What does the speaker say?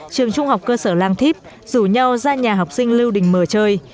trường trung học cơ sở lang thíp rủ nhau ra nhà học sinh lưu đình mờ chơi